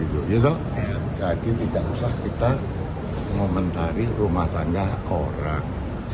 jadi tidak usah kita ngomentari rumah tangga orang